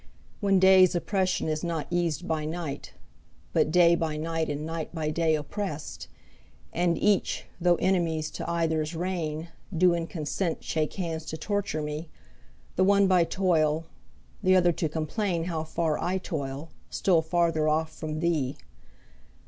When day's oppression is not eas'd by night, But day by night and night by day oppress'd, And each, though enemies to either's reign, Do in consent shake hands to torture me, The one by toil, the other to complain How far I toil, still farther off from thee.